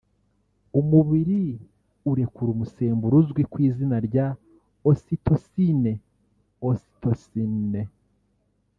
umubiri urekura umusemburo uzwi ku izina rya ositosine(ocytocyne)